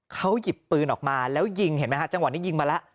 เขาหยิบปืนออกมาแล้วยิงเห็นไหมฮะจังหวะนี้ยิงมาแล้ว